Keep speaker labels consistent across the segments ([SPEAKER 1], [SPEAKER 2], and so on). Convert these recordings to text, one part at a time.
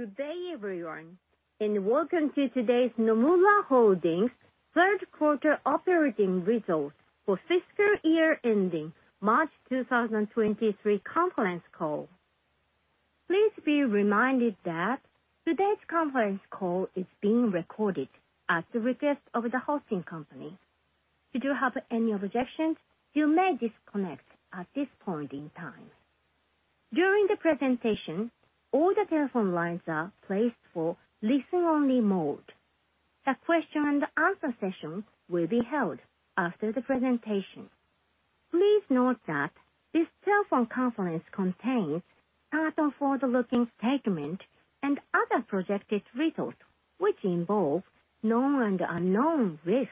[SPEAKER 1] Good day, everyone, and welcome to today's Nomura Holdings 3rd quarter operating results for fiscal year ending March 2023 conference call. Please be reminded that today's conference call is being recorded at the request of the hosting company. If you have any objections, you may disconnect at this point in time. During the presentation, all the telephone lines are placed for listen-only mode. A question and answer session will be held after the presentation. Please note that this telephone conference contains certain forward-looking statements and other projected results, which involve known and unknown risks,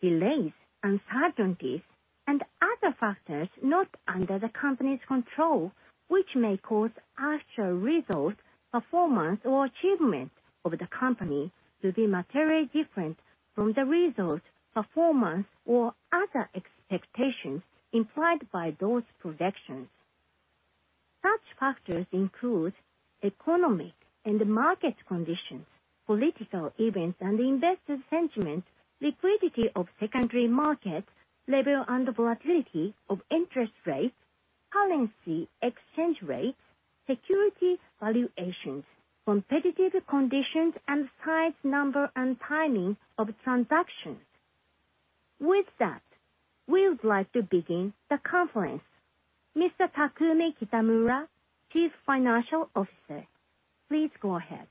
[SPEAKER 1] delays, uncertainties, and other factors not under the company's control, which may cause actual results, performance, or achievement of the company to be materially different from the results, performance, or other expectations implied by those projections. Such factors include economic and market conditions, political events and investor sentiments, liquidity of secondary markets, level and volatility of interest rates, currency exchange rates, security valuations, competitive conditions, and size, number, and timing of transactions. With that, we would like to begin the conference. Mr. Takumi Kitamura, Chief Financial Officer, please go ahead.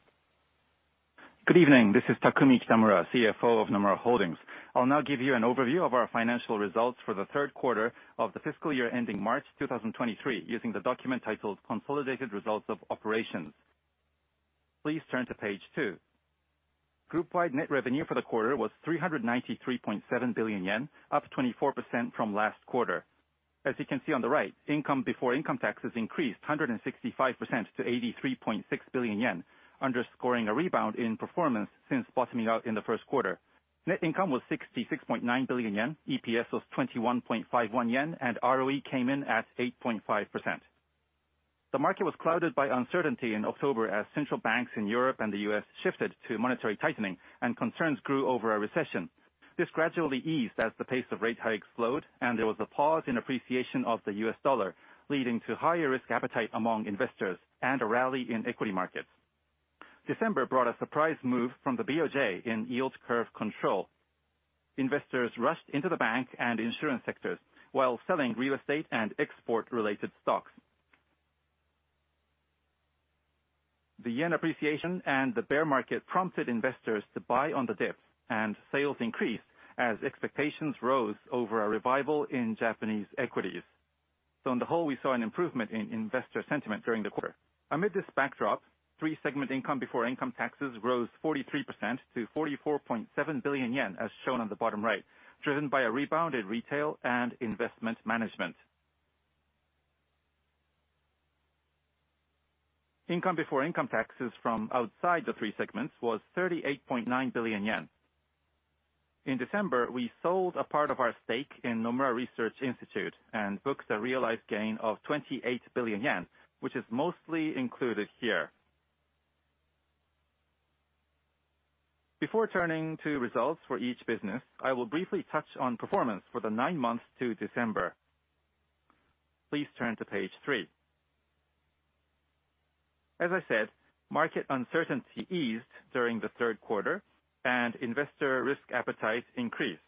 [SPEAKER 2] Good evening. This is Takumi Kitamura, CFO of Nomura Holdings. I'll now give you an overview of our financial results for the third quarter of the fiscal year ending March 2023 using the document titled Consolidated Results of Operations. Please turn to page 2. Group-wide net revenue for the quarter was 393.7 billion yen, up 24% from last quarter. As you can see on the right, income before income taxes increased 165% to 83.6 billion yen, underscoring a rebound in performance since bottoming out in the first quarter. Net income was 66.9 billion yen, EPS was 21.51 yen, and ROE came in at 8.5%. The market was clouded by uncertainty in October as central banks in Europe and the U.S. shifted to monetary tightening and concerns grew over a recession. This gradually eased as the pace of rate hikes slowed and there was a pause in appreciation of the US dollar, leading to higher risk appetite among investors and a rally in equity markets. December brought a surprise move from the BOJ in yield curve control. Investors rushed into the bank and insurance sectors while selling real estate and export-related stocks. The yen appreciation and the bear market prompted investors to buy on the dip, and sales increased as expectations rose over a revival in Japanese equities. On the whole, we saw an improvement in investor sentiment during the quarter. Amid this backdrop, three-segment income before income taxes rose 43% to 44.7 billion yen, as shown on the bottom right, driven by a rebound in retail and investment management. Income before income taxes from outside the three segments was 38.9 billion yen. In December, we sold a part of our stake in Nomura Research Institute and booked a realized gain of 28 billion yen, which is mostly included here. Before turning to results for each business, I will briefly touch on performance for the nine months to December. Please turn to page 3. As I said, market uncertainty eased during the third quarter and investor risk appetite increased.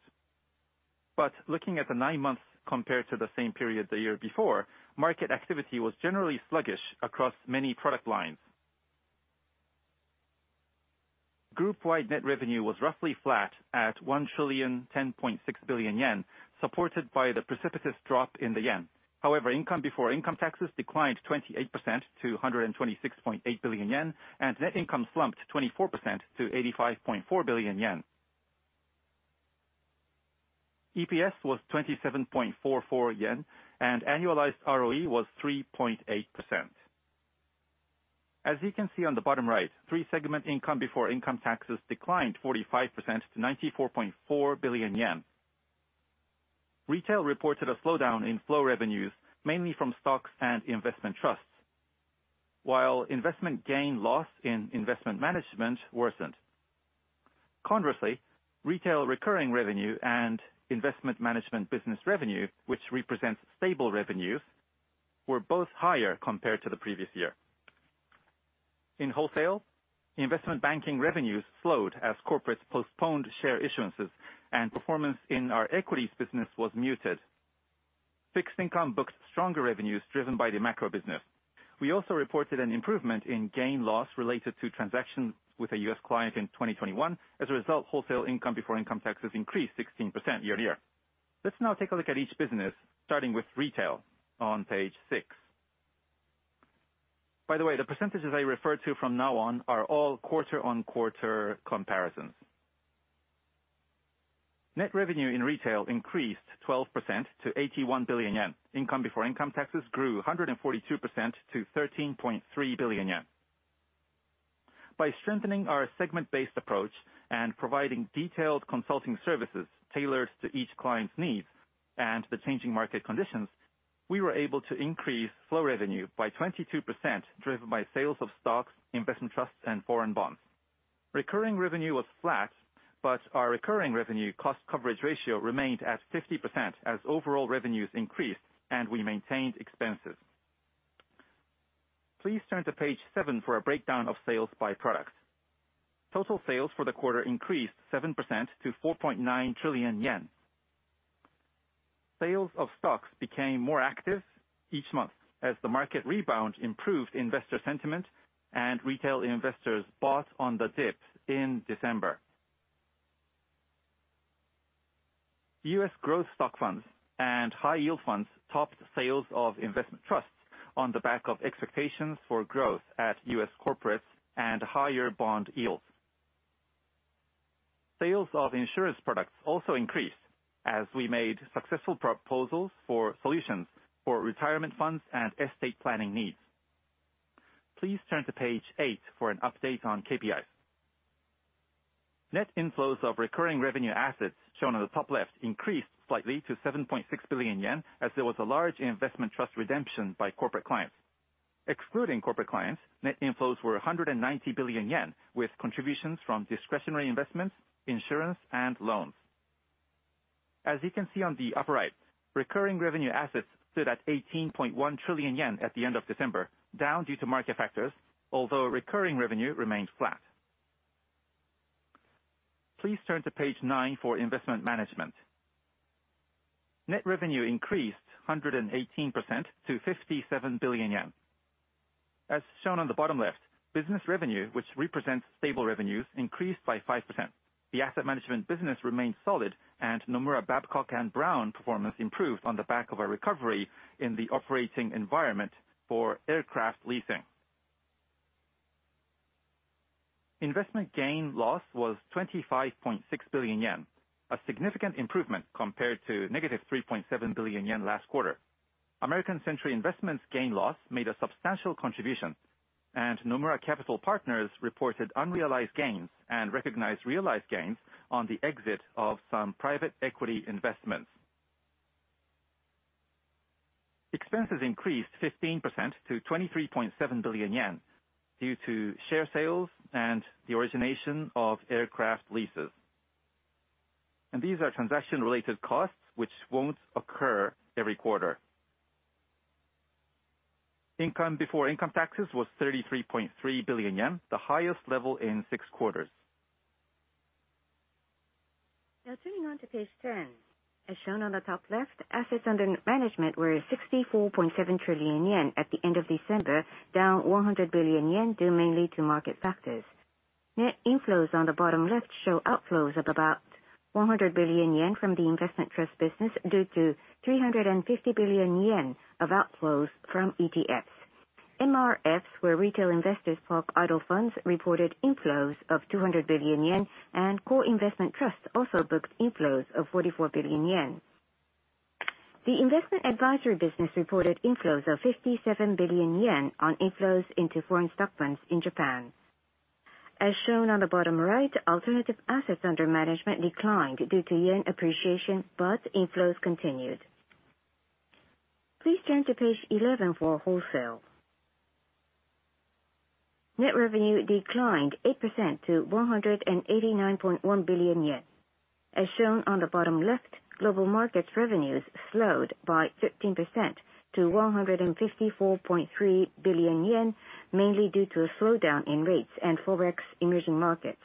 [SPEAKER 2] Looking at the nine months compared to the same period the year before, market activity was generally sluggish across many product lines. Groupwide net revenue was roughly flat at 1,010.6 billion yen, supported by the precipitous drop in the yen. However, income before income taxes declined 28% to 126.8 billion yen, and net income slumped 24% to 85.4 billion yen. EPS was 27.44 yen. Annualized ROE was 3.8%. As you can see on the bottom right, three-segment income before income taxes declined 45% to 94.4 billion yen. Retail reported a slowdown in flow revenues, mainly from stocks and investment trusts, while investment gain loss in investment management worsened. Conversely, retail recurring revenue and investment management business revenue, which represents stable revenues, were both higher compared to the previous year. In wholesale, investment banking revenues slowed as corporates postponed share issuances and performance in our equities business was muted. Fixed income booked stronger revenues driven by the macro business. We also reported an improvement in gain loss related to transactions with a U.S. client in 2021. As a result, wholesale income before income taxes increased 16% year-over-year. Let's now take a look at each business, starting with retail on page seven. By the way, the percentages I refer to from now on are all quarter-on-quarter comparisons. Net revenue in retail increased 12% to 81 billion yen. Income before income taxes grew 142% to 13.3 billion yen. By strengthening our segment-based approach and providing detailed consulting services tailored to each client's needs and the changing market conditions, we were able to increase flow revenue by 22%, driven by sales of stocks, investment trusts, and foreign bonds. Recurring revenue was flat, our recurring revenue cost coverage ratio remained at 50% as overall revenues increased and we maintained expenses. Please turn to page 7 for a breakdown of sales by product. Total sales for the quarter increased 7% to 4.9 trillion yen. Sales of stocks became more active each month as the market rebound improved investor sentiment, and retail investors bought on the dip in December. U.S. growth stock funds and high-yield funds topped sales of investment trusts on the back of expectations for growth at U.S. corporates and higher bond yields. Sales of insurance products also increased as we made successful proposals for solutions for retirement funds and estate planning needs. Please turn to page eight for an update on KPIs. Net inflows of recurring revenue assets, shown on the top left, increased slightly to 7.6 billion yen, as there was a large investment trust redemption by corporate clients. Excluding corporate clients, net inflows were 190 billion yen, with contributions from discretionary investments, insurance, and loans. As you can see on the upper right, recurring revenue assets stood at 18.1 trillion yen at the end of December, down due to market factors, although recurring revenue remained flat. Please turn to page 9 for investment management. Net revenue increased 118% to 57 billion yen. As shown on the bottom left, business revenue, which represents stable revenues, increased by 5%. The asset management business remained solid, and Nomura Babcock & Brown performance improved on the back of a recovery in the operating environment for aircraft leasing. Investment gain loss was 25.6 billion yen, a significant improvement compared to -3.7 billion yen last quarter. American Century Investments gain loss made a substantial contribution, and Nomura Capital Partners reported unrealized gains and recognized realized gains on the exit of some private equity investments. Expenses increased 15% to 23.7 billion yen due to share sales and the origination of aircraft leases. These are transaction-related costs, which won't occur every quarter. Income before income taxes was 33.3 billion yen, the highest level in six quarters. Turning on to page 10. As shown on the top left, assets under management were 64.7 trillion yen at the end of December, down 100 billion yen, due mainly to market factors. Net inflows on the bottom left show outflows of about 100 billion yen from the investment trust business due to 350 billion yen of outflows from ETFs. MRFs, where retail investors park idle funds, reported inflows of 200 billion yen, and core investment trusts also booked inflows of 44 billion yen. The investment advisory business reported inflows of 57 billion yen on inflows into foreign stock funds in Japan. As shown on the bottom right, alternative assets under management declined due to yen appreciation, but inflows continued. Please turn to page 11 for wholesale. Net revenue declined 8% to 189.1 billion yen. As shown on the bottom left, global markets revenues slowed by 15% to 154.3 billion yen, mainly due to a slowdown in rates and Forex emerging markets.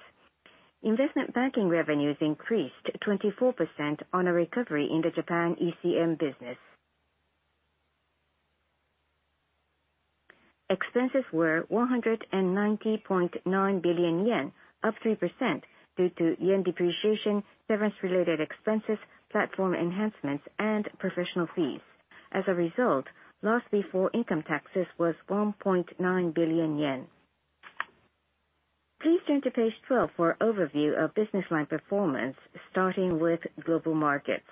[SPEAKER 2] Investment banking revenues increased 24% on a recovery in the Japan ECM business. Expenses were 190.9 billion yen, up 3% due to yen depreciation, severance-related expenses, platform enhancements, and professional fees. As a result, loss before income taxes was 1.9 billion yen. Please turn to page 12 for overview of business line performance, starting with global markets.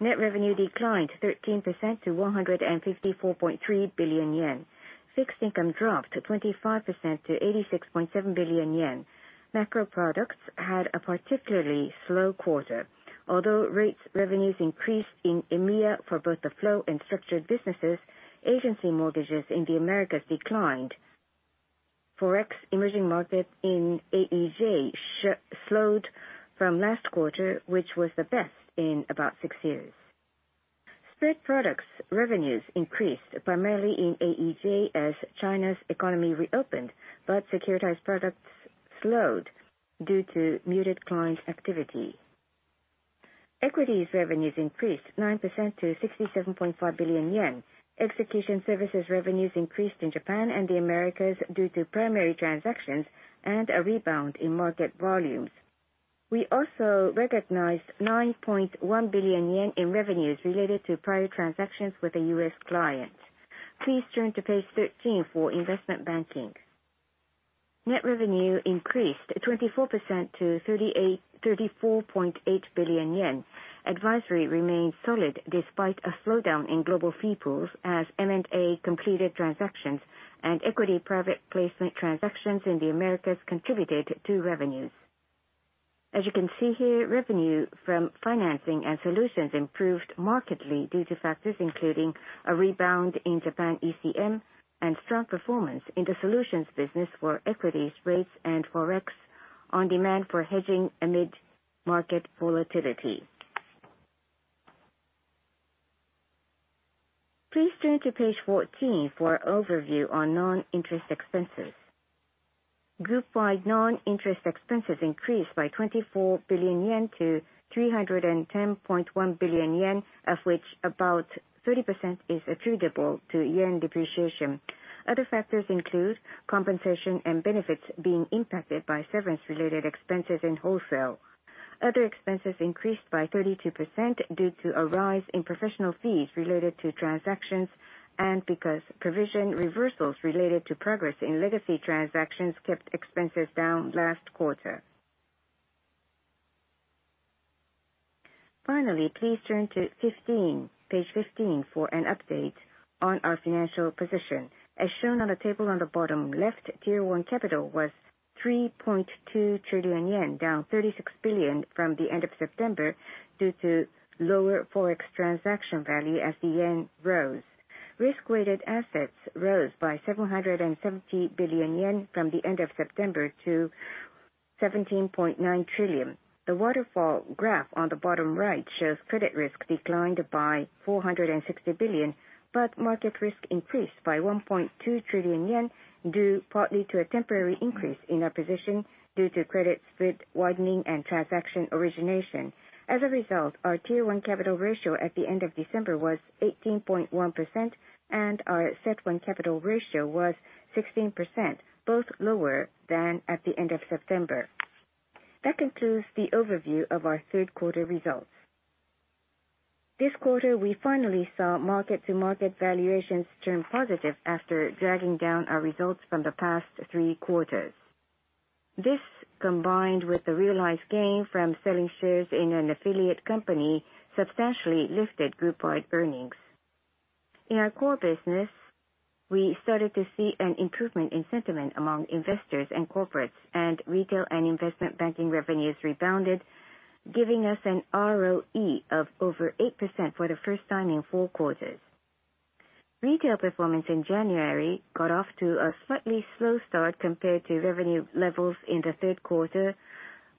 [SPEAKER 2] Net revenue declined 13% to 154.3 billion yen. Fixed income dropped 25% to 86.7 billion yen. Macro products had a particularly slow quarter. Although rates revenues increased in EMEA for both the flow and structured businesses, agency mortgages in the Americas declined. Forex emerging markets in AEJ slowed from last quarter, which was the best in about six years. Spread products revenues increased primarily in AEJ as China's economy reopened, but securitized products slowed due to muted client activity. Equities revenues increased 9% to 67.5 billion yen. Execution services revenues increased in Japan and the Americas due to primary transactions and a rebound in market volumes. We also recognized 9.1 billion yen in revenues related to private transactions with a U.S. client. Please turn to page 13 for investment banking. Net revenue increased 24% to 34.8 billion yen. Advisory remained solid despite a slowdown in global fee pools as M&A completed transactions and equity private placement transactions in the Americas contributed to revenues. As you can see here, revenue from financing and solutions improved markedly due to factors including a rebound in Japan ECM and strong performance in the solutions business for equities, rates, and forex on demand for hedging amid market volatility. Please turn to page 14 for our overview on non-interest expenses. Group-wide non-interest expenses increased by 24 billion yen to 310.1 billion yen, of which about 30% is attributable to yen depreciation. Other factors include compensation and benefits being impacted by severance related expenses in Wholesale. Other expenses increased by 32% due to a rise in professional fees related to transactions and because provision reversals related to progress in legacy transactions kept expenses down last quarter. Please turn to 15, page 15 for an update on our financial position. As shown on the table on the bottom left, Tier 1 capital was 3.2 trillion yen, down 36 billion from the end of September due to lower Forex transaction value as the yen rose. Risk-weighted assets rose by 770 billion yen from the end of September to 17.9 trillion. The waterfall graph on the bottom right shows credit risk declined by 460 billion, but market risk increased by 1.2 trillion yen, due partly to a temporary increase in our position due to credit spread widening and transaction origination. As a result, our Tier 1 capital ratio at the end of December was 18.1%, and our CET1 capital ratio was 16%, both lower than at the end of September. That concludes the overview of our third quarter results. This quarter, we finally saw market to market valuations turn positive after dragging down our results from the past three quarters. This, combined with the realized gain from selling shares in an affiliate company, substantially lifted group-wide earnings. In our core business, we started to see an improvement in sentiment among investors and corporates, and retail and investment banking revenues rebounded, giving us an ROE of over 8% for the first time in four quarters. Retail performance in January got off to a slightly slow start compared to revenue levels in the third quarter,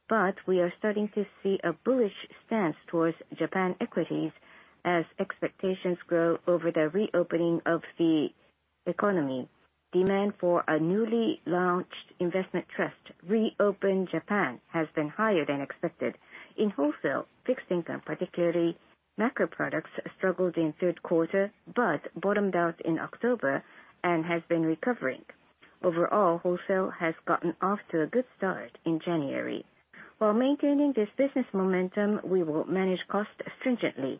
[SPEAKER 2] but we are starting to see a bullish stance towards Japan equities as expectations grow over the reopening of the economy. Demand for a newly launched investment trust, Reopen Japan, has been higher than expected. In wholesale fixed income, particularly macro products, struggled in third quarter, but bottomed out in October and has been recovering. Overall, wholesale has gotten off to a good start in January. While maintaining this business momentum, we will manage costs stringently.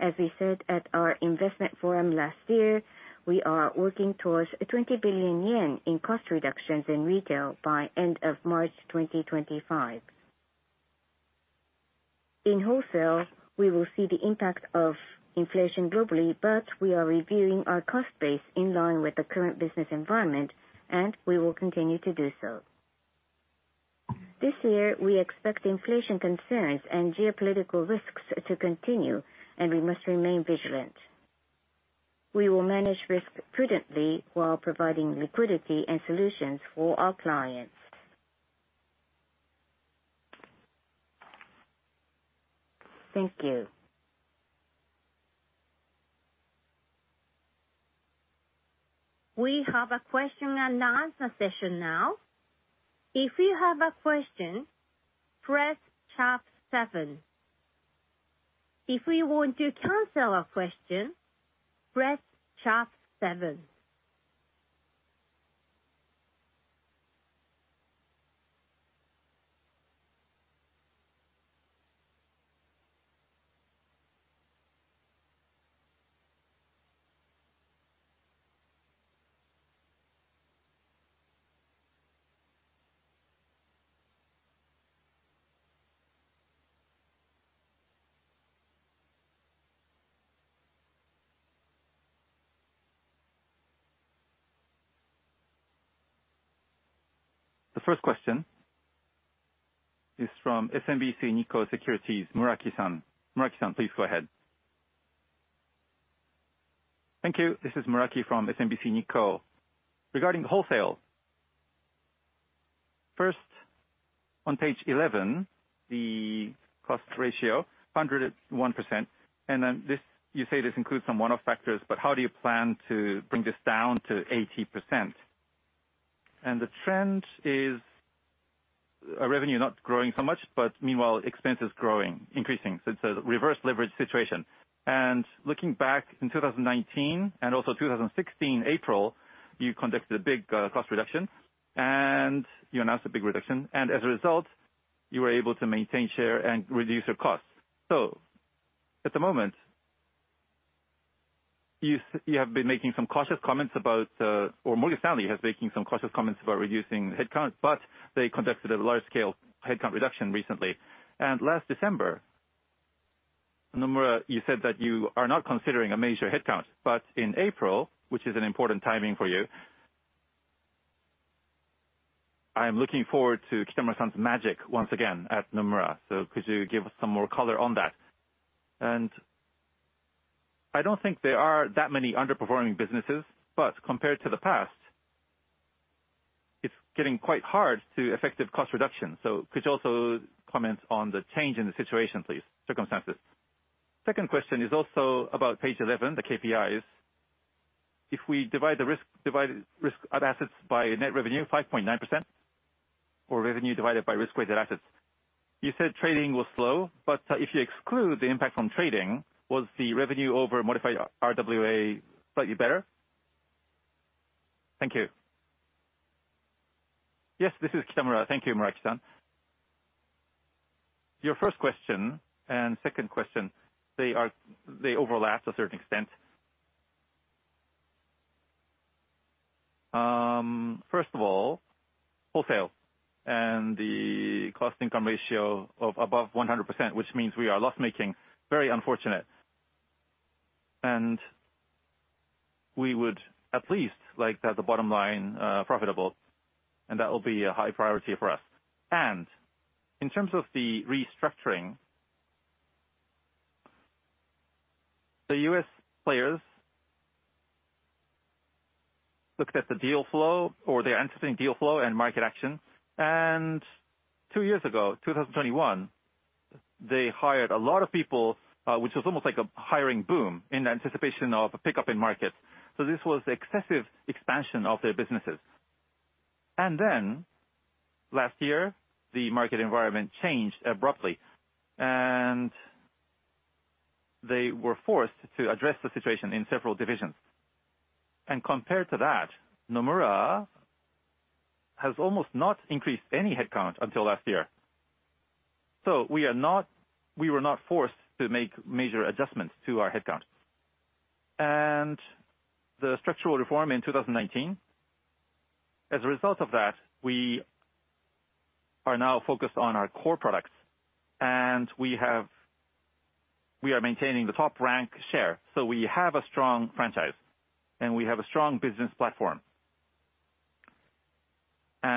[SPEAKER 2] As we said at our investment forum last year, we are working towards 20 billion yen in cost reductions in retail by end of March 2025. In wholesale, we will see the impact of inflation globally, but we are reviewing our cost base in line with the current business environment, and we will continue to do so. This year we expect inflation concerns and geopolitical risks to continue, and we must remain vigilant. We will manage risks prudently while providing liquidity and solutions for our clients. Thank you.
[SPEAKER 1] We have a question and answer session now. If you have a question, press sharp seven. If you want to cancel a question, press sharp seven. The first question is from SMBC Nikko Securities, Muraki-san. Muraki-san, please go ahead.
[SPEAKER 3] Thank you. This is Muraki from SMBC Nikko. Regarding wholesale, first on page 11, the cost ratio 101%. You say this includes some one-off factors, how do you plan to bring this down to 80%? The trend is our revenue not growing so much, meanwhile expense is growing, increasing. It's a reverse leverage situation. Looking back in 2019 and also 2016 April, you conducted a big cost reduction and you announced a big reduction. As a result, you were able to maintain share and reduce your costs. At the moment, you have been making some cautious comments about, or Morgan Stanley has making some cautious comments about reducing headcount. They conducted a large-scale headcount reduction recently. Last December, Nomura, you said that you are not considering a major headcount, but in April, which is an important timing for you, I am looking forward to Kitamura-san's magic once again at Nomura. Could you give us some more color on that? I don't think there are that many underperforming businesses, but compared to the past, it's getting quite hard to effective cost reduction. Could you also comment on the change in the situation, please, circumstances. Second question is also about page 11, the KPIs. If we divide risk of assets by net revenue 5.9% or revenue divided by risk-weighted assets. You said trading was slow, but if you exclude the impact from trading, was the revenue over modified RWA slightly better? Thank you.
[SPEAKER 2] Yes, this is Kitamura. Thank you, Muraki-san. Your first question and second question, they overlap to a certain extent. First of all, wholesale and the cost income ratio of above 100%, which means we are loss-making, very unfortunate. We would at least like to have the bottom line profitable, and that will be a high priority for us. In terms of the restructuring, the U.S. players looked at the deal flow or their anticipating deal flow and market action. Two years ago, 2021, they hired a lot of people, which was almost like a hiring boom in anticipation of a pickup in markets. This was excessive expansion of their businesses. Last year, the market environment changed abruptly, and they were forced to address the situation in several divisions. Compared to that, Nomura has almost not increased any headcount until last year. We were not forced to make major adjustments to our headcounts. The structural reform in 2019, as a result of that, we are now focused on our core products, and we are maintaining the top rank share. We have a strong franchise, and we have a strong business platform.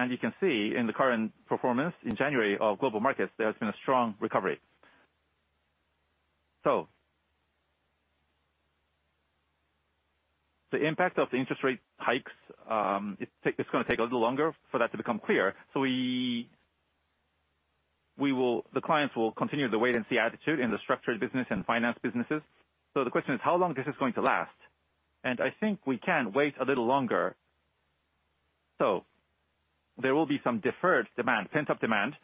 [SPEAKER 2] You can see in the current performance in January of global markets, there's been a strong recovery. The impact of the interest rate hikes, it's gonna take a little longer for that to become clear. The clients will continue the wait and see attitude in the structured business and finance businesses. The question is how long this is going to last? I think we can wait a little longer. There will be some deferred demand, pent-up demand,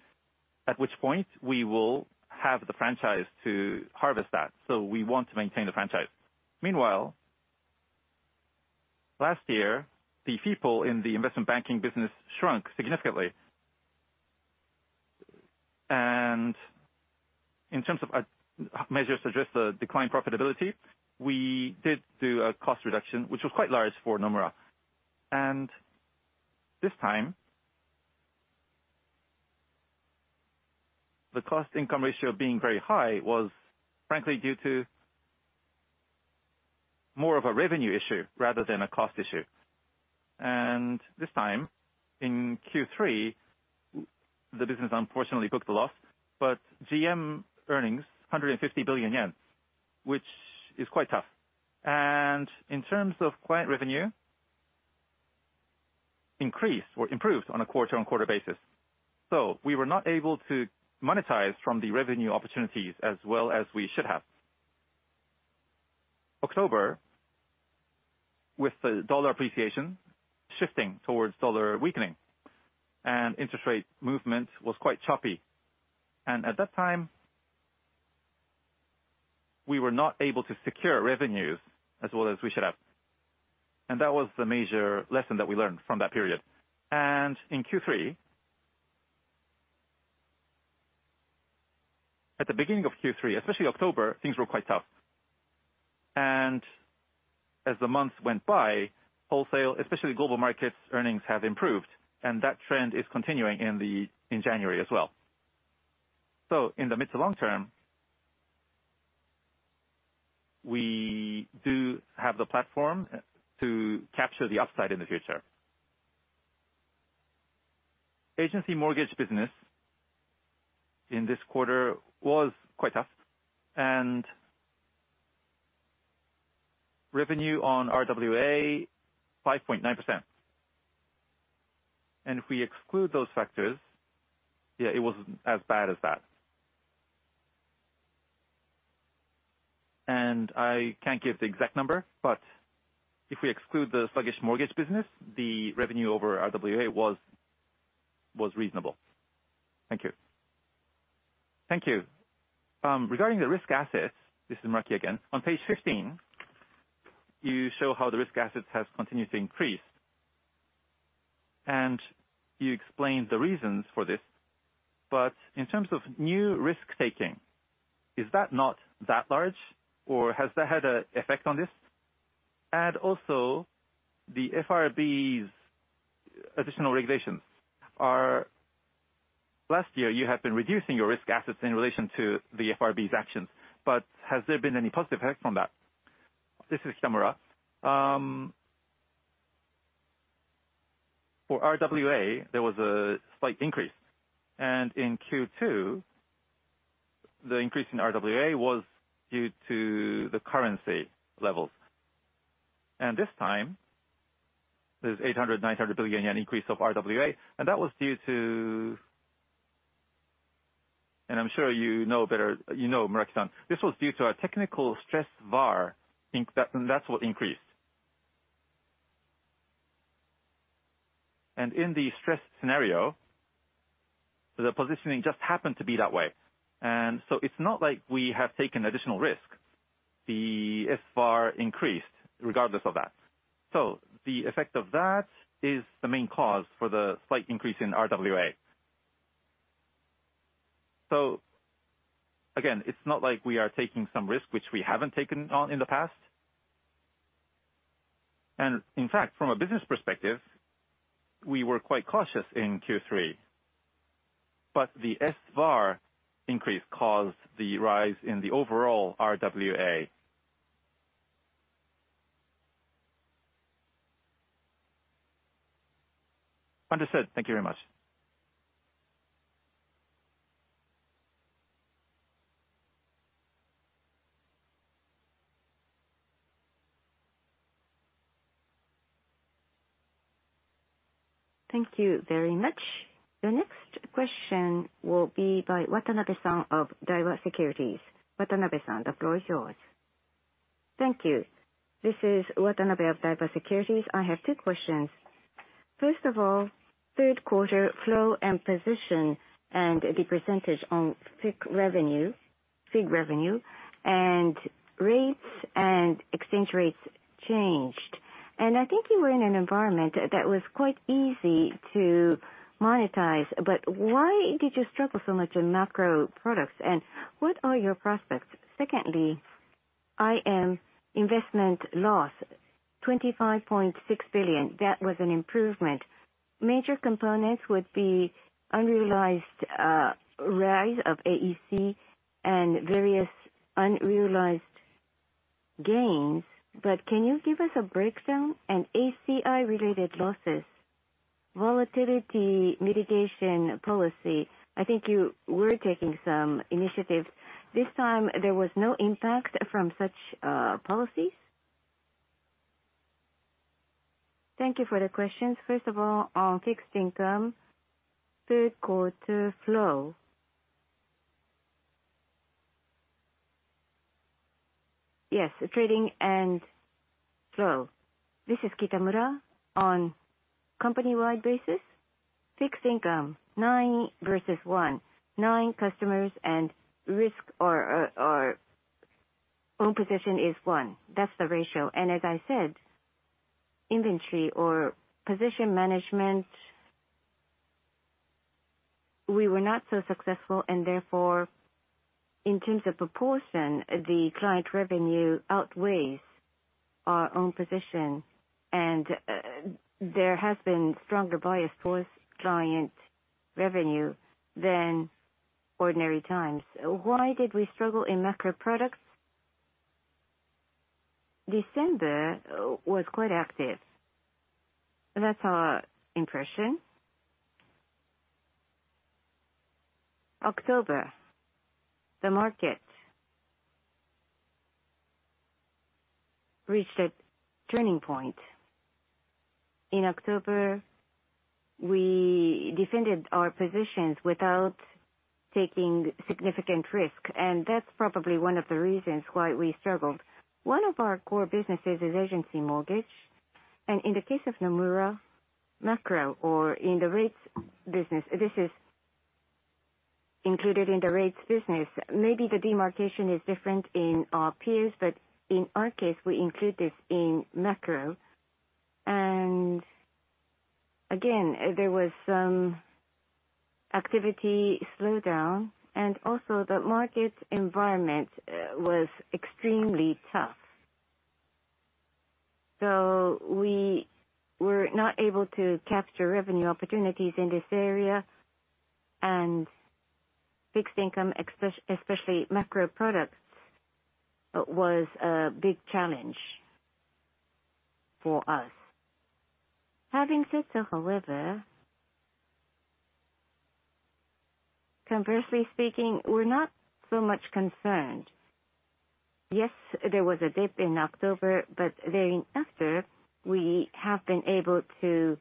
[SPEAKER 2] at which point we will have the franchise to harvest that. We want to maintain the franchise. Meanwhile, last year, the people in the investment banking business shrunk significantly. In terms of a measures to address the declined profitability, we did do a cost reduction, which was quite large for Nomura. This time the cost income ratio being very high was frankly due to more of a revenue issue rather than a cost issue. This time in Q3, the business unfortunately took the loss, but GM earnings 150 billion yen, which is quite tough. In terms of client revenue, increased or improved on a quarter-on-quarter basis. We were not able to monetize from the revenue opportunities as well as we should have. October, with the dollar appreciation shifting towards dollar weakening and interest rate movement was quite choppy, at that time, we were not able to secure revenues as well as we should have. That was the major lesson that we learned from that period. At the beginning of Q3, especially October, things were quite tough. As the months went by, wholesale, especially global markets, earnings have improved and that trend is continuing in January as well. In the mid to long term, we do have the platform to capture the upside in the future. Agency mortgage business in this quarter was quite tough and revenue on RWA 5.9%. If we exclude those factors, yeah, it wasn't as bad as that. I can't give the exact number, but if we exclude the sluggish mortgage business, the revenue over RWA was reasonable. Thank you. Regarding the risk assets, this is Muraki again. On page 15, you show how the risk assets has continued to increase, and you explained the reasons for this. In terms of new risk-taking, is that not that large or has that had a effect on this? Also the FRB's
[SPEAKER 3] Additional regulations. Last year, you had been reducing your risk assets in relation to the FRB's actions, but has there been any positive effect from that?
[SPEAKER 2] This is Kitamura. For RWA, there was a slight increase. In Q2, the increase in RWA was due to the currency levels. This time, there's a 800 billion-900 billion increase of RWA. I'm sure you know better, you know, Muraki, this was due to our technical stress VAR increased. In the stress scenario, the positioning just happened to be that way. It's not like we have taken additional risk. The SVAR increased regardless of that. The effect of that is the main cause for the slight increase in RWA. Again, it's not like we are taking some risk which we haven't taken on in the past. In fact, from a business perspective, we were quite cautious in Q3. The SVAR increase caused the rise in the overall RWA.
[SPEAKER 3] Understood. Thank you very much.
[SPEAKER 1] Thank you very much. The next question will be by Watanabe-san of Daiwa Securities. Watanabe-san, the floor is yours.
[SPEAKER 4] Thank you. This is Watanabe of Daiwa Securities. I have two questions. First of all, third quarter flow and position and the percentage on FIC revenue, and rates and exchange rates changed. I think you were in an environment that was quite easy to monetize. Why did you struggle so much in macro products, and what are your prospects? Secondly, IM investment loss, 25.6 billion, that was an improvement. Major components would be unrealized rise of AOCI and various unrealized gains. Can you give us a breakdown and ACI related losses, volatility mitigation policy? I think you were taking some initiatives. This time, there was no impact from such policies? Thank you for the questions. First of all, on fixed income, third quarter flow. Yes, trading and flow. This is Kitamura. On company-wide basis, fixed income, nine versus one. Nine customers and risk or own position is one. That's the ratio. As I said, inventory or position management, we were not so successful and therefore, in terms of proportion, the client revenue outweighs our own position. There has been stronger bias towards client revenue than ordinary times. Why did we struggle in macro products? December was quite active. That's our impression. October, the market reached a turning point. In October, we defended our positions without taking significant risk, and that's probably one of the reasons why we struggled. One of our core businesses is Agency Mortgages, and in the case of Nomura, macro or in the rates business, this is included in the rates business. Maybe the demarcation is different in our peers, but in our case, we include this in macro. Again, there was some activity slowdown, and also the market environment was extremely tough. We were not able to capture revenue opportunities in this area, and fixed income, especially macro products, was a big challenge for us. Having said so, however, conversely speaking, we're not so much concerned. Yes, there was a dip in October, but thereafter, we have been able to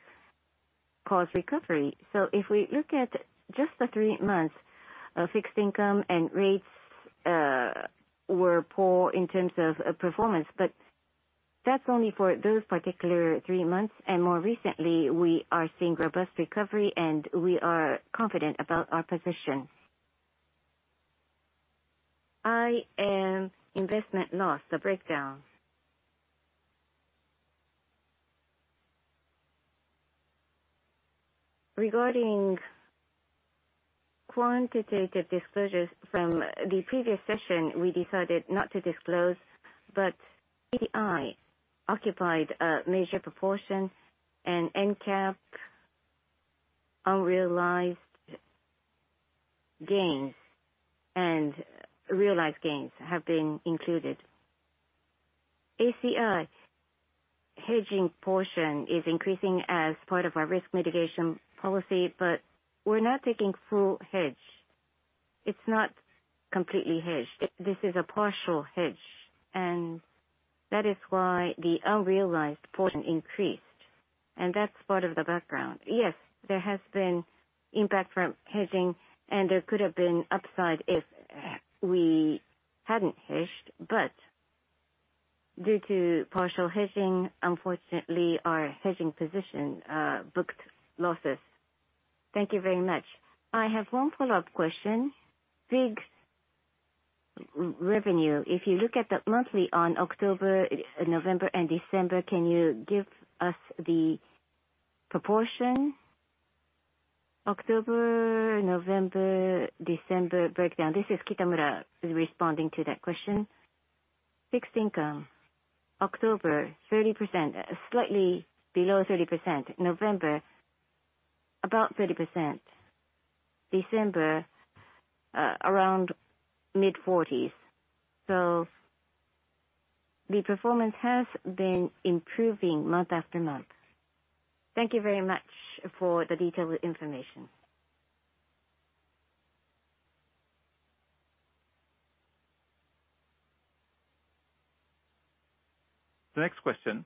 [SPEAKER 4] cause recovery. If we look at just the three months of fixed income and rates were poor in terms of performance, but that's only for those particular three months, and more recently, we are seeing robust recovery, and we are confident about our position. IM investment loss, the breakdown. Quantitative disclosures from the previous session, we decided not to disclose, but AT1 occupied a major proportion and NCAP unrealized gains and realized gains have been included. ACR hedging portion is increasing as part of our risk mitigation policy, we're not taking full hedge. It's not completely hedged. This is a partial hedge, that is why the unrealized portion increased, that's part of the background. Yes, there has been impact from hedging, there could have been upside if we hadn't hedged. Due to partial hedging, unfortunately, our hedging position booked losses. Thank you very much. I have one follow-up question. FIG's revenue. If you look at the monthly on October, November, and December, can you give us the proportion? October, November, December breakdown. This is Kitamura responding to that question. Fixed income, October, 30%, slightly below 30%. November, about 30%. December, around mid-forties. The performance has been improving month-after-month. Thank you very much for the detailed information.
[SPEAKER 1] The next question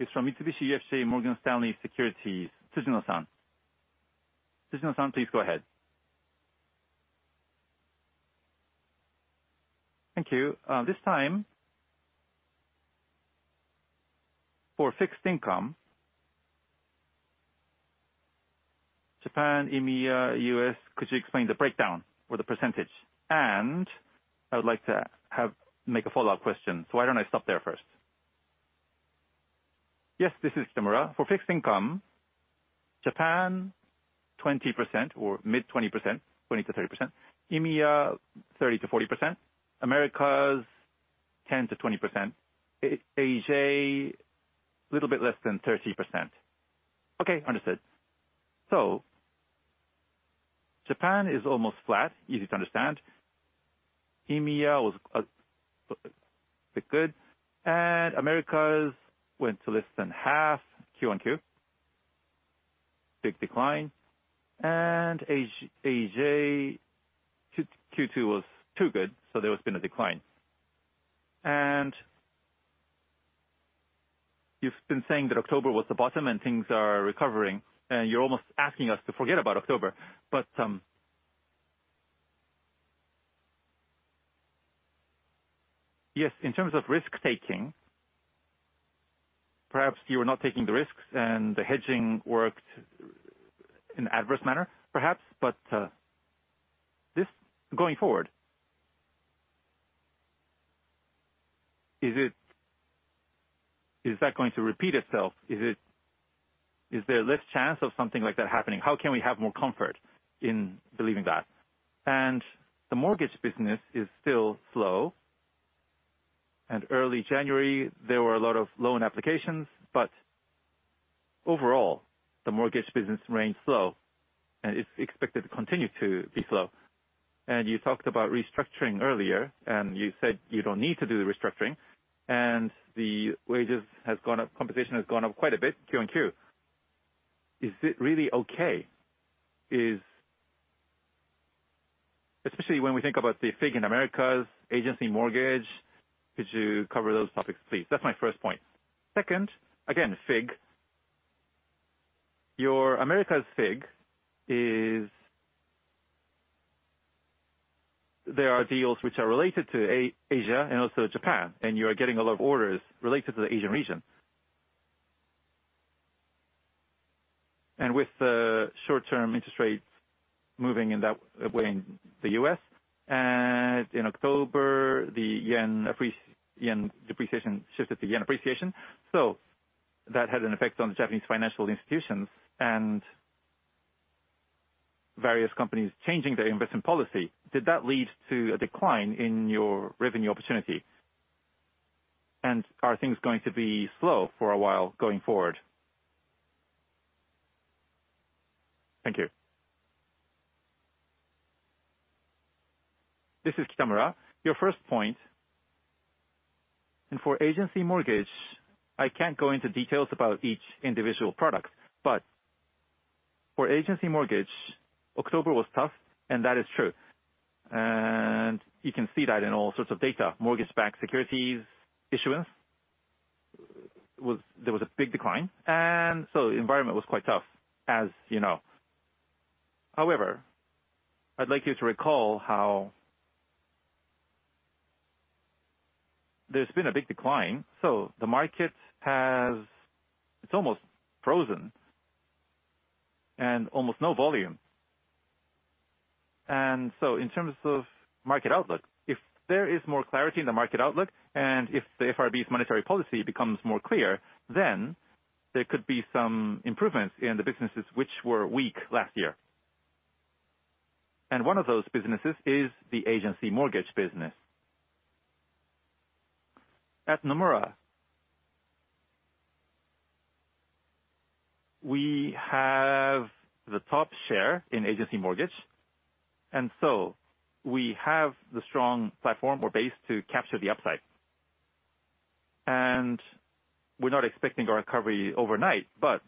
[SPEAKER 1] is from Mitsubishi UFJ Morgan Stanley Securities, Tsujino-san. Tsujino-san, please go ahead.
[SPEAKER 2] Thank you. This time, for fixed income, Japan, EMEA, US, could you explain the breakdown or the percentage? I would like to make a follow-up question. Why don't I stop there first? Yes, this is Kitamura. For fixed income, Japan, 20% or mid-20%, 20%-30%. EMEA, 30%-40%. Americas, 10%-20%. AEJ, little bit less than 30%. Okay, understood. Japan is almost flat. Easy to understand. EMEA was good. Americas went to less than half Q on Q. Big decline. AJ, Q-Q2 was too good, so there has been a decline. You've been saying that October was the bottom and things are recovering, and you're almost asking us to forget about October. Yes, in terms of risk-taking, perhaps you are not taking the risks and the hedging worked in adverse manner, perhaps. This going forward. Is that going to repeat itself? Is there less chance of something like that happening? How can we have more comfort in believing that? The mortgage business is still slow. Early January, there were a lot of loan applications, but overall, the mortgage business remains slow, and it's expected to continue to be slow. You talked about restructuring earlier, and you said you don't need to do the restructuring. The wages has gone up, compensation has gone up quite a bit Q on Q. Is it really okay, especially when we think about the FIG in Americas, Agency Mortgages? Could you cover those topics, please? That's my first point. Second, again, FIG. Your Americas FIG. There are deals which are related to Asia and also Japan, and you are getting a lot of orders related to the Asian region. With the short-term interest rates moving in that way in the U.S., and in October, the yen depreciation shifted to yen appreciation. That had an effect on the Japanese financial institutions and various companies changing their investment policy. Did that lead to a decline in your revenue opportunity? Are things going to be slow for a while going forward? Thank you. This is Kitamura. Your first point, for Agency Mortgages, I can't go into details about each individual product. For Agency Mortgages, October was tough, and that is true. You can see that in all sorts of data. Mortgage-backed securities issuance there was a big decline, the environment was quite tough, as you know. However, I'd like you to recall how there's been a big decline, so the market it's almost frozen and almost no volume. In terms of market outlook, if there is more clarity in the market outlook, and if the FRB's monetary policy becomes more clear, then there could be some improvements in the businesses which were weak last year. One of those businesses is the Agency Mortgages business. At Nomura, we have the top share in Agency Mortgages, and we have the strong platform or base to capture the upside. We're not expecting a recovery overnight, but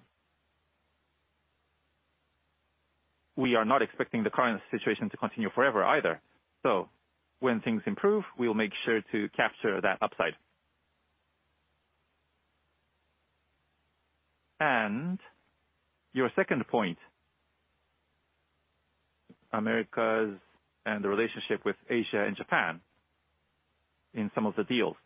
[SPEAKER 2] we are not expecting the current situation to continue forever either. When things improve, we will make sure to capture that upside. Your second point, America's and the relationship with Asia and Japan in some of the deals.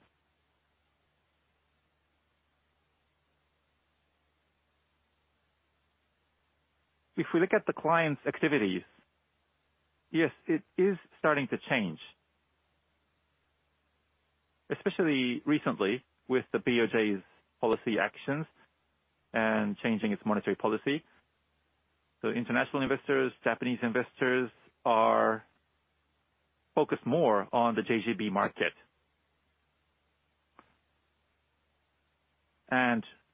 [SPEAKER 2] If we look at the clients' activities, yes, it is starting to change, especially recently with the BOJ's policy actions and changing its monetary policy. International investors, Japanese investors are focused more on the JGB market.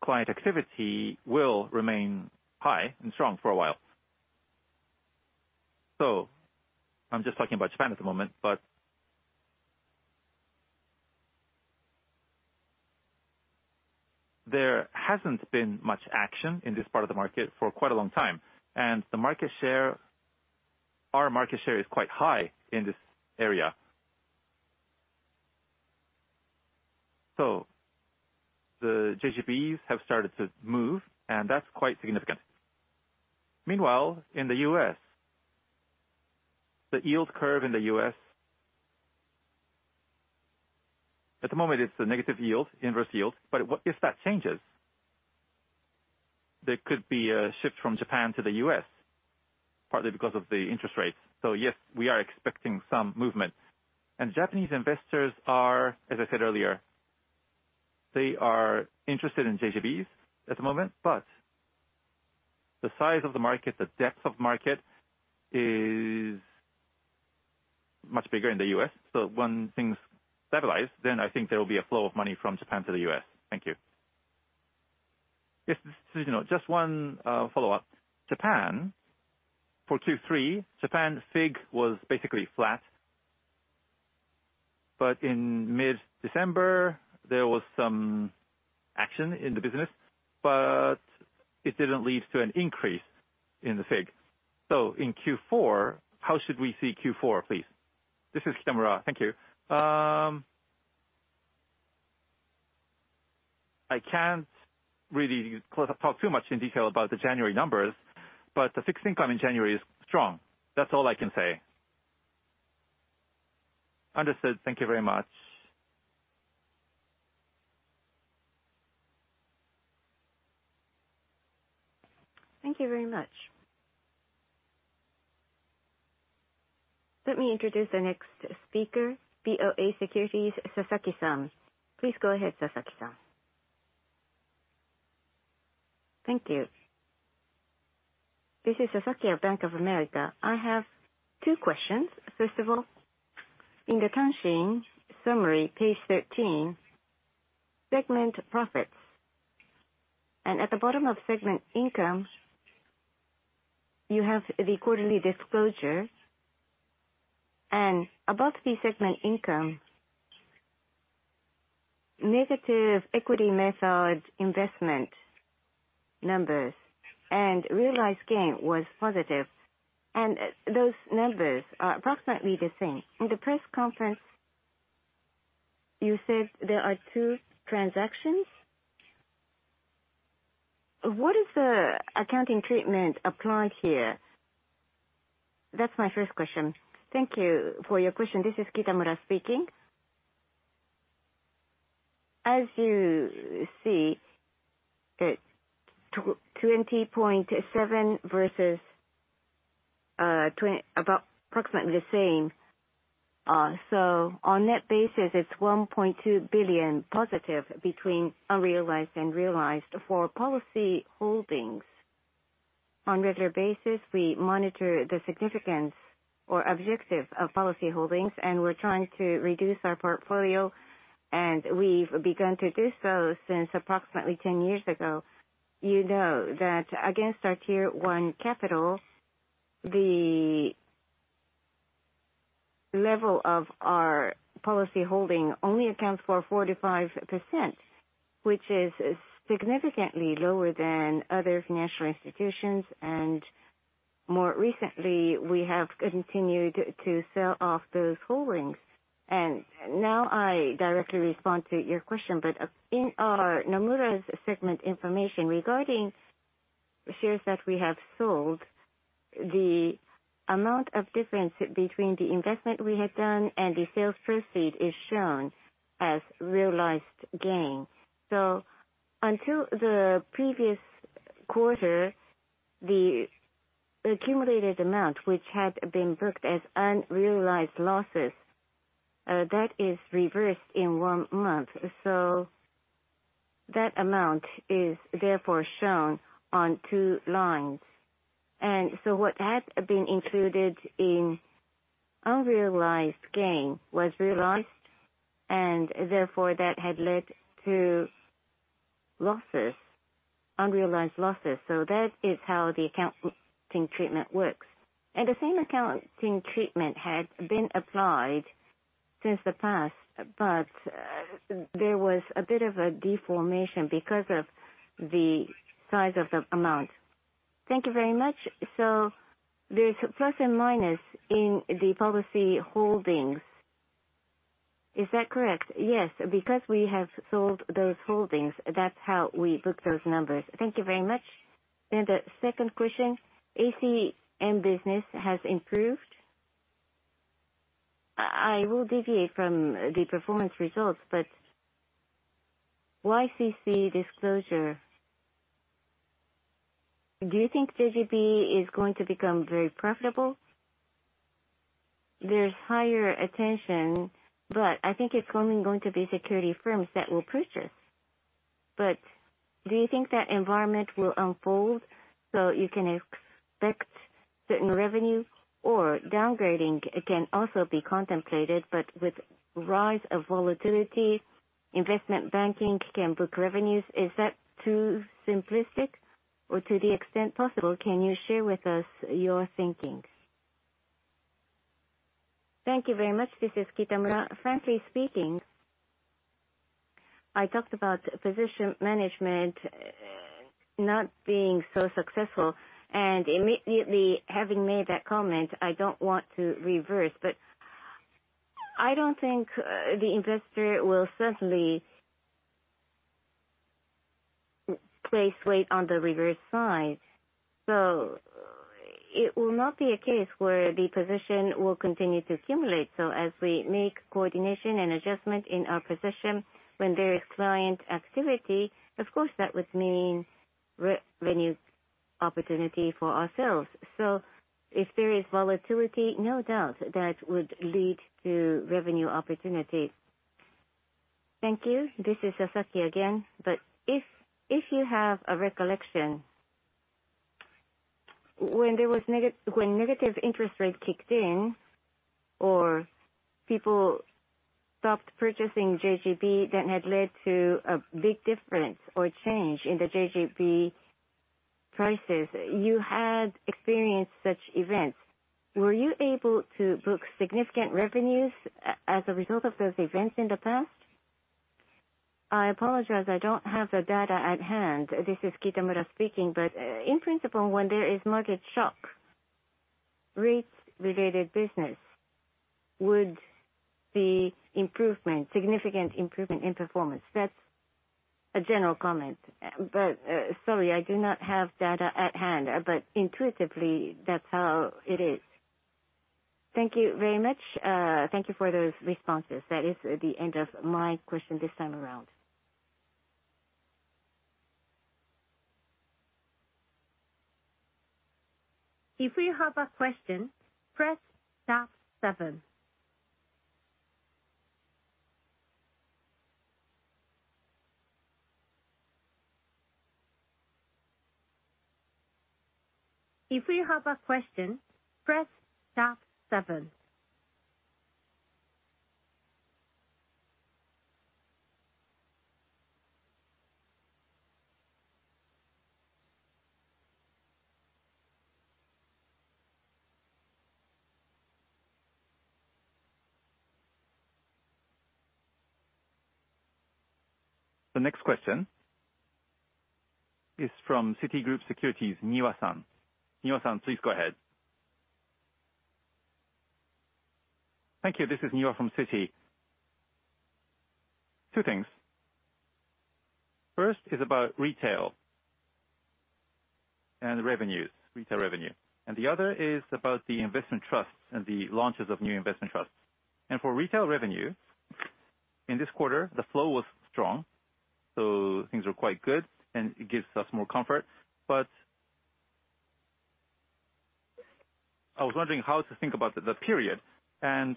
[SPEAKER 2] Client activity will remain high and strong for a while. I'm just talking about Japan at the moment, but there hasn't been much action in this part of the market for quite a long time, and the market share, our market share is quite high in this area. The JGBs have started to move, and that's quite significant. Meanwhile, in the U.S., the yield curve in the U.S., at the moment it's a negative yield, inverse yield, but what if that changes? There could be a shift from Japan to the U.S., partly because of the interest rates. Yes, we are expecting some movement. Japanese investors are, as I said earlier, they are interested in JGBs at the moment, but the size of the market, the depth of market is much bigger in the U.S. When things stabilize, then I think there will be a flow of money from Japan to the U.S. Thank you. Yes. This is Tsujino. Just one follow-up. Japan, for Q3, Japan's FIG was basically flat. In mid-December, there was some action in the business, but it didn't lead to an increase in the FIG. In Q4, how should we see Q4, please? This is Kitamura. Thank you. I can't really talk too much in detail about the January numbers, but the fixed income in January is strong. That's all I can say. Understood. Thank you very much.
[SPEAKER 1] Thank you very much. Let me introduce the next speaker, BofA Securities, Sasaki-san. Please go ahead, Sasaki-san.
[SPEAKER 4] Thank you. This is Sasaki of Bank of America. I have two questions. First of all, in the kessan summary, page 13, segment profits. At the bottom of segment income, you have the quarterly disclosure. Above the segment income, negative equity method investment numbers and realized gain was positive. Those numbers are approximately the same. In the press conference, you said there are 2 transactions. What is the accounting treatment applied here? That's my first question. Thank you for your question. This is Kitamura speaking. As you see, 20.7 versus about approximately the same. On net basis, it's 1.2 billion positive between unrealized and realized for policy holdings. On regular basis, we monitor the significance or objective of policy holdings, we're trying to reduce our portfolio, we've begun to do so since approximately 10 years ago. You know that against our Tier 1 capital, the level of our policy holding only accounts for 45%, which is significantly lower than other financial institutions, more recently, we have continued to sell off those holdings. Now, I directly respond to your question, in our Nomura's segment information, regarding shares that we have sold, the amount of difference between the investment we had done and the sales proceed is shown as realized gain. Until the previous. Quarter, the accumulated amount which had been booked as unrealized losses, that is reversed in 1 month. That amount is therefore shown on two lines. What had been included in unrealized gain was realized, and therefore that had led to losses, unrealized losses. That is how the accounting treatment works. The same accounting treatment had been applied since the past, but there was a bit of a deformation because of the size of the amount. Thank you very much. There's plus and minus in the policy holdings. Is that correct? Yes, because we have sold those holdings, that's how we book those numbers. Thank you very much. The second question, ACM business has improved. I will deviate from the performance results, but YCC disclosure. Do you think JGB is going to become very profitable? There's higher attention, but I think it's only going to be security firms that will push us. Do you think that environment will unfold, so you can expect certain revenue or downgrading can also be contemplated, but with rise of volatility, investment banking can book revenues. Is that too simplistic or to the extent possible, can you share with us your thinking? Thank you very much. This is Kitamura. Frankly speaking, I talked about position management, not being so successful, and immediately having made that comment, I don't want to reverse. I don't think the investor will certainly place weight on the reverse side. It will not be a case where the position will continue to accumulate. As we make coordination and adjustment in our position when there is client activity, of course, that would mean re-revenue opportunity for ourselves. If there is volatility, no doubt, that would lead to revenue opportunity. Thank you. This is Sasaki again. If you have a recollection, when negative interest rate kicked in or people stopped purchasing JGB, that had led to a big difference or change in the JGB prices, you had experienced such events. Were you able to book significant revenues as a result of those events in the past? I apologize, I don't have the data at hand. This is Kitamura speaking. In principle, when there is market shock, rates related business would be improvement, significant improvement in performance. That's a general comment. Sorry, I do not have data at hand, but intuitively, that's how it is. Thank you very much. Thank you for those responses. That is the end of my question this time around.
[SPEAKER 1] If you have a question, press star seven. If you have a question, press star seven. The next question is from Citigroup Securities, Niwa-san. Niwa-san, please go ahead.
[SPEAKER 2] Thank you. This is Niwa from Citi. Two things. First is about retail and revenues, retail revenue, the other is about the investment trusts and the launches of new investment trusts. For retail revenue, in this quarter, the flow was strong, things were quite good, it gives us more comfort. I was wondering how to think about the period. In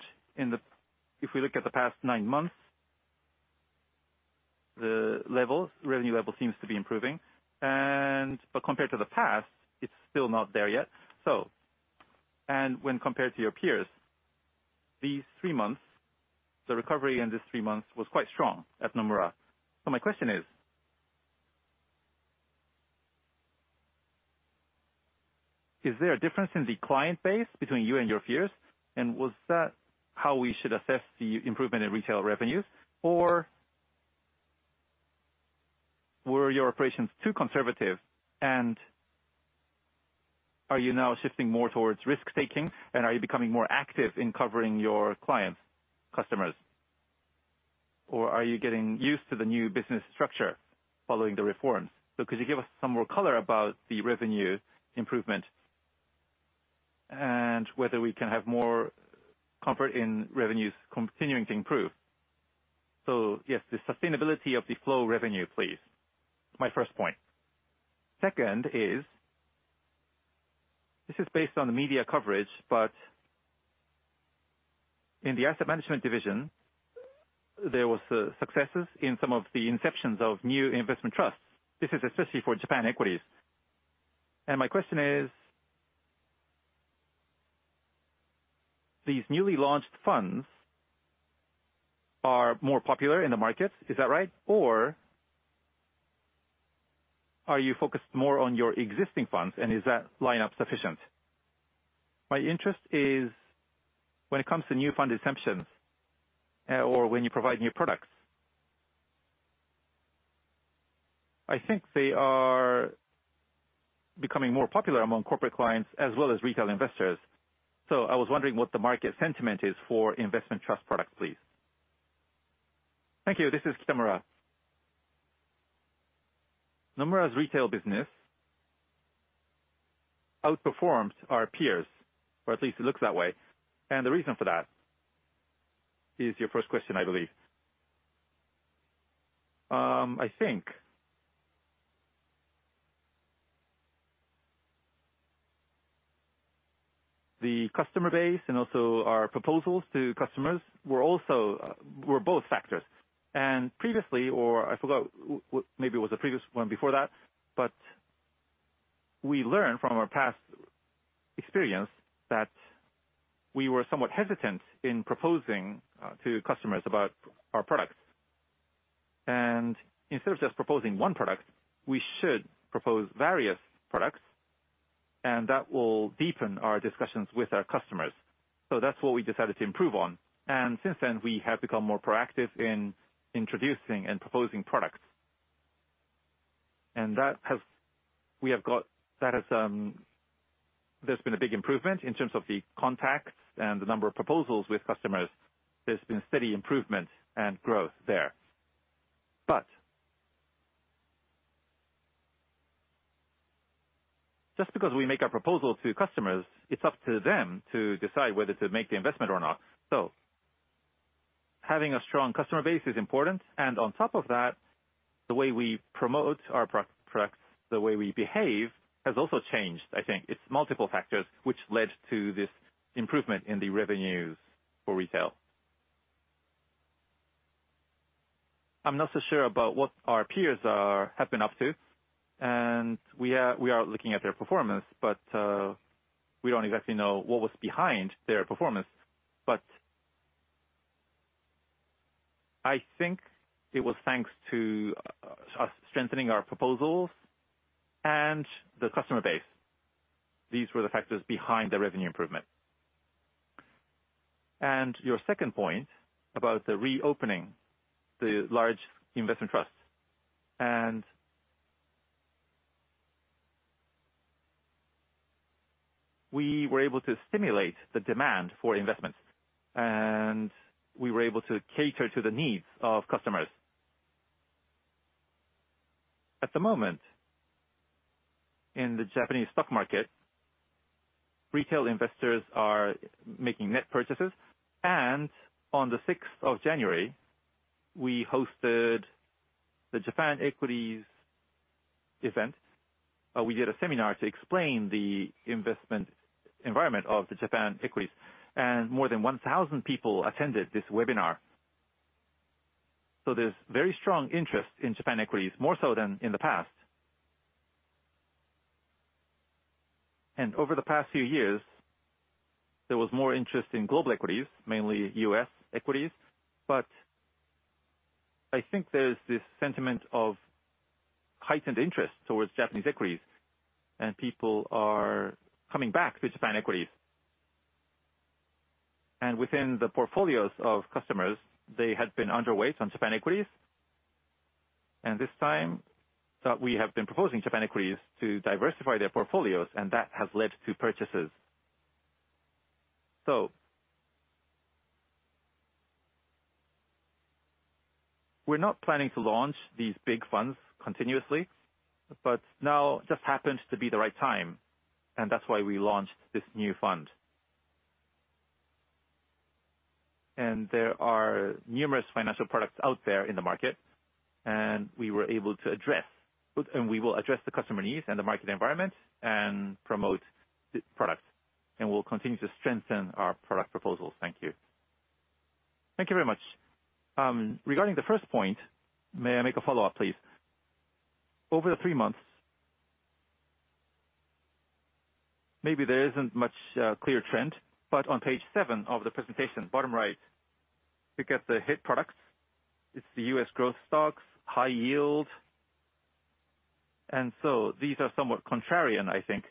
[SPEAKER 2] if we look at the past nine months, the levels, revenue level seems to be improving. Compared to the past, it's still not there yet. When compared to your peers, these three months, the recovery in these three months was quite strong at Nomura. My question is there a difference in the client base between you and your peers? Was that how we should assess the improvement in retail revenues? Were your operations too conservative, and are you now shifting more towards risk-taking? Are you becoming more active in covering your clients' customers? Are you getting used to the new business structure following the reforms? Could you give us some more color about the revenue improvement? And whether we can have more comfort in revenues continuing to improve. Yes, the sustainability of the flow revenue, please. My first point. Second is, this is based on the media coverage, but in the asset management division, there was successes in some of the inceptions of new investment trusts. This is especially for Japan equities. My question is, these newly launched funds are more popular in the markets, is that right? Or are you focused more on your existing funds, and is that lineup sufficient? My interest is when it comes to new fund exemptions, or when you provide new products. I think they are becoming more popular among corporate clients as well as retail investors. I was wondering what the market sentiment is for investment trust products, please. Thank you. This is Kitamura. Nomura's retail business outperforms our peers, or at least it looks that way, and the reason for that is your first question, I believe. The customer base and also our proposals to customers were both factors. Previously, or I forgot maybe it was the previous one before that, but we learned from our past experience that we were somewhat hesitant in proposing to customers about our products. Instead of just proposing one product, we should propose various products, and that will deepen our discussions with our customers. That's what we decided to improve on. Since then, we have become more proactive in introducing and proposing products. There's been a big improvement in terms of the contacts and the number of proposals with customers. There's been steady improvement and growth there. Just because we make our proposal to customers, it's up to them to decide whether to make the investment or not. Having a strong customer base is important, and on top of that, the way we promote our pro-products, the way we behave, has also changed, I think. It's multiple factors which led to this improvement in the revenues for retail. I'm not so sure about what our peers have been up to, and we are looking at their performance. We don't exactly know what was behind their performance. I think it was thanks to us strengthening our proposals and the customer base. These were the factors behind the revenue improvement. Your second point about the reopening the large investment trusts. We were able to stimulate the demand for investments, and we were able to cater to the needs of customers. At the moment, in the Japanese stock market, retail investors are making net purchases. On the sixth of January, we hosted the Japan Equities event, we did a seminar to explain the investment environment of the Japan equities, and more than 1,000 people attended this webinar. There's very strong interest in Japan equities, more so than in the past. Over the past few years, there was more interest in global equities, mainly U.S. equities, but I think there's this sentiment of heightened interest towards Japanese equities. People are coming back to Japan equities. Within the portfolios of customers, they had been underweight on Japan equities. This time, we have been proposing Japan equities to diversify their portfolios. That has led to purchases. We're not planning to launch these big funds continuously, but now just happened to be the right time. That's why we launched this new fund. There are numerous financial products out there in the market, and we were able to address. We will address the customer needs and the market environment and promote the products. We'll continue to strengthen our product proposals. Thank you. Thank you very much. Regarding the first point, may I make a follow-up, please? Over the three months, maybe there isn't much clear trend, but on page 7 of the presentation, bottom right, look at the hit products. It's the US growth stocks, high yield. These are somewhat contrarian, I think.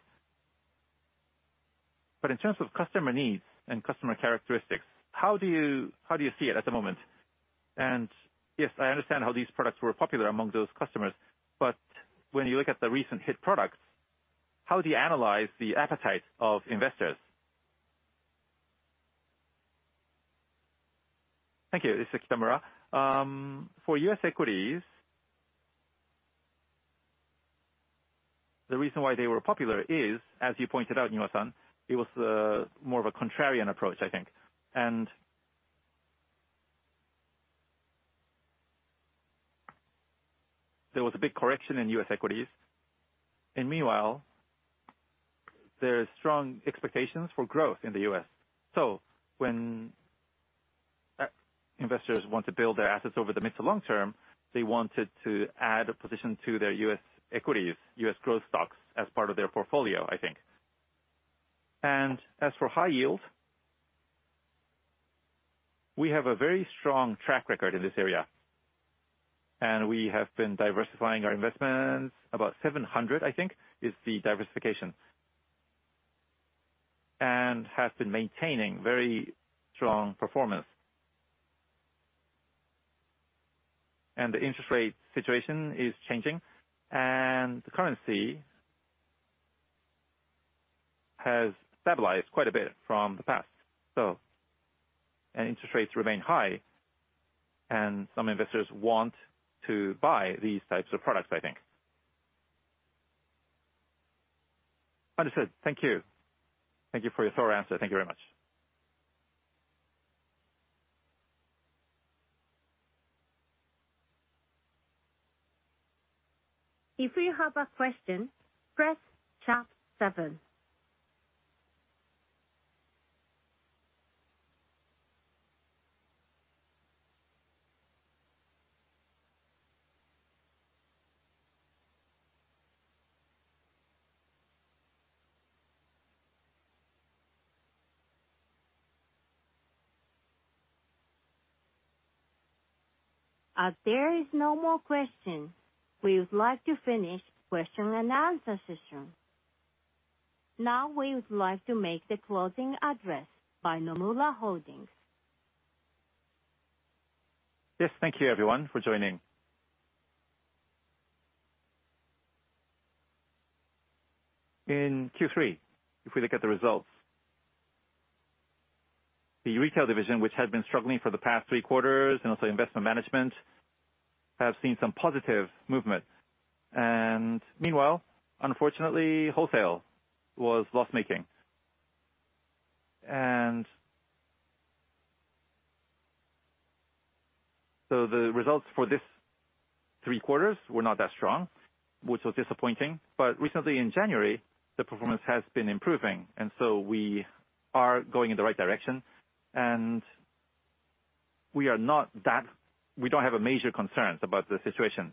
[SPEAKER 2] In terms of customer needs and customer characteristics, how do you see it at the moment? Yes, I understand how these products were popular among those customers, but when you look at the recent hit products, how do you analyze the appetite of investors? Thank you. This is Kitamura. For US equities, the reason why they were popular is, as you pointed out, Niwa-san, it was more of a contrarian approach, I think. There was a big correction in US equities, and meanwhile, there is strong expectations for growth in the US. When investors want to build their assets over the mid to long term, they wanted to add a position to their US equities, US growth stocks as part of their portfolio, I think. As for high yield, we have a very strong track record in this area, and we have been diversifying our investments. About 700, I think, is the diversification. Has been maintaining very strong performance. The interest rate situation is changing, and the currency has stabilized quite a bit from the past. Interest rates remain high, and some investors want to buy these types of products, I think. Understood. Thank you. Thank you for your thorough answer. Thank you very much.
[SPEAKER 1] If you have a question, press sharp seven. There is no more question, we would like to finish question and answer session. We would like to make the closing address by Nomura Holdings.
[SPEAKER 2] Yes. Thank you everyone for joining. In Q3, if we look at the results, the retail division which had been struggling for the past three quarters and also investment management, have seen some positive movements. Meanwhile, unfortunately, wholesale was loss-making. The results for this three quarters were not that strong, which was disappointing. Recently in January, the performance has been improving, and so we are going in the right direction, and we don't have a major concerns about the situation.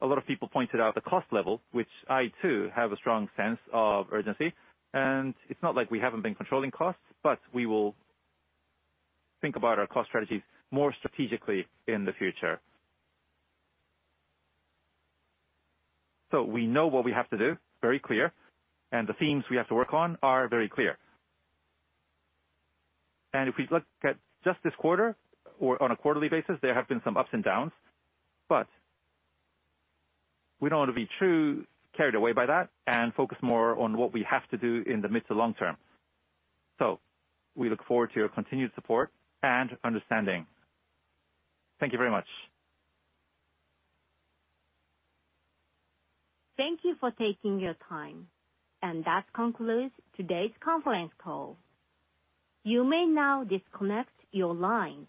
[SPEAKER 2] A lot of people pointed out the cost level, which I too have a strong sense of urgency, and it's not like we haven't been controlling costs, but we will think about our cost strategies more strategically in the future. We know what we have to do, very clear, and the themes we have to work on are very clear. If we look at just this quarter or on a quarterly basis, there have been some ups and downs, but we don't want to be too carried away by that and focus more on what we have to do in the mid to long term. We look forward to your continued support and understanding. Thank you very much.
[SPEAKER 1] Thank you for taking your time. That concludes today's conference call. You may now disconnect your line.